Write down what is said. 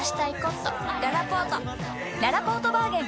ららぽーとバーゲン開催！